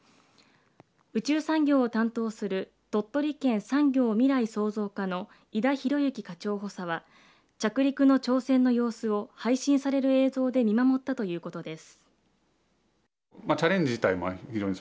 宇宙産業を担当する鳥取県産業未来創造課の井田広之課長補佐は着陸の挑戦の様子を配信される映像で見守ったということです。